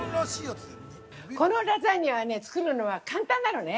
◆このラザニアは、作るのは簡単なのね。